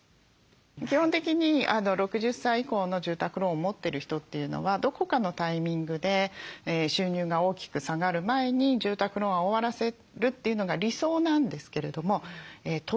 基本的に６０歳以降の住宅ローンを持ってる人というのはどこかのタイミングで収入が大きく下がる前に住宅ローンは終わらせるというのが理想なんですけれども時と場合による。